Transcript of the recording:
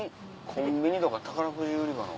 コンビニとか宝くじ売り場の。